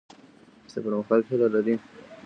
چي د پرمختګ هیله لرئ.